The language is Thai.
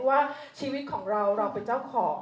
ว่าชีวิตของเราเราเป็นเจ้าของ